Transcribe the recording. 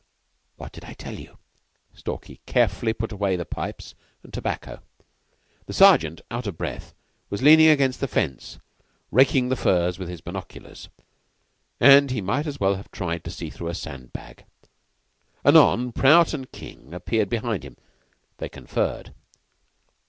"What did I tell you?" Stalky carefully put away the pipes and tobacco. The Sergeant, out of breath, was leaning against the fence, raking the furze with his binoculars, but he might as well have tried to see through a sand bag. Anon, Prout and King appeared behind him. They conferred.